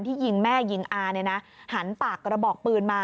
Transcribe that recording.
ที่ยิงแม่ยิงอาหันปากกระบอกปืนมา